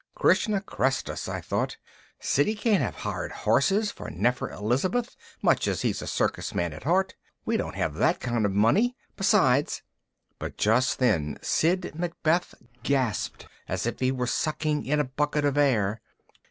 Krishna kressed us! I thought, _Skiddy can't have hired horses for Nefer Elizabeth much as he's a circus man at heart. We don't have that kind of money. Besides_ But just then Sid Macbeth gasped as if he were sucking in a bucket of air.